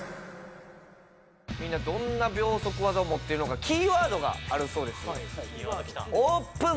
みんなどんな秒速技を持っているのかキーワードがあるそうですオープン！